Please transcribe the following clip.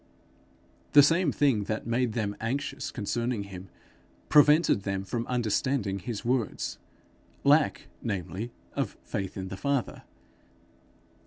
The same thing that made them anxious concerning him, prevented them from understanding his words lack, namely, of faith in the Father.